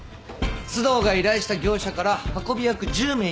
須藤が依頼した業者から運び役１０名に金塊が渡されます。